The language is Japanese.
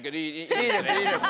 いいですいいです。